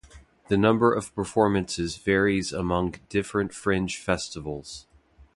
The number of performances varies among different fringe festivals.